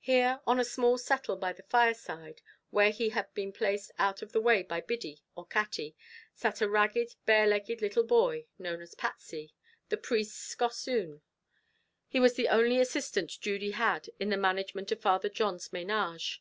Here, on a small settle by the fireside, where he had been placed out of the way by Biddy or Katty, sat a ragged bare legged little boy, known as Patsy, the priest's gossoon; he was the only assistant Judy had in the management of Father John's ménage.